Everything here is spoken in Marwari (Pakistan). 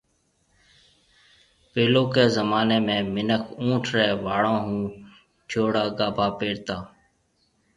پيلوڪيَ زمانيَ ۾ مِنک اُونٺ ريَ واݪون هون ٺهيَوڙا گاڀا پيرتا۔